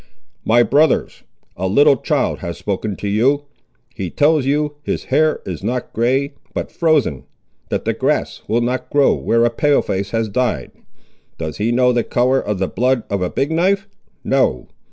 "My brothers, a little child has spoken to you. He tells you, his hair is not grey, but frozen—that the grass will not grow where a Pale face has died. Does he know the colour of the blood of a Big knife? No!